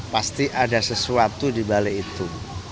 pasti ada sesuatu di balik itu